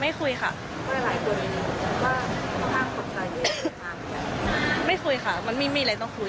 ไม่คุยค่ะไม่คุยค่ะมันมิมีมีอะไรต้องคุย